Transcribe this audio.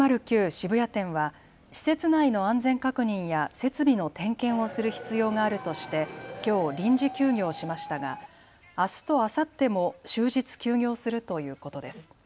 渋谷店は施設内の安全確認や設備の点検をする必要があるとしてきょう臨時休業しましたがあすとあさっても終日休業するということです。